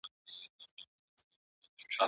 نه په وطن کي آشیانه سته زه به چیري ځمه